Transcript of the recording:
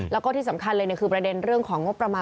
แล้วก็ที่สำคัญเลยคือประเด็นเรื่องของงบประมาณ